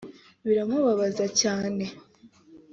biramubabaza cyane